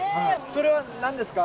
それはなんですか？